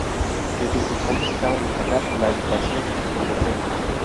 De sus ensayos cabe destacar "La educación que pudo ser.